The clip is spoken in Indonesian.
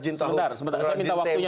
sebentar sebentar saya minta waktunya